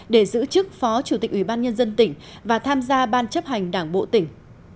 để giữ chức phó chủ tịch ủy ban nhân dân tỉnh và tham gia ban chấp hành đảng bộ tỉnh